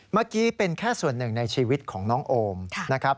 เมื่อกี้เป็นแค่ส่วนหนึ่งในชีวิตของน้องโอมนะครับ